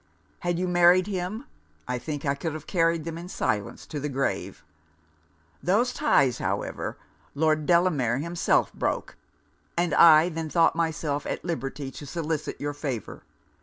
Had you married him, I think I could have carried them in silence to the grave. Those ties, however, Lord Delamere himself broke; and I then thought myself at liberty to solicit your favour.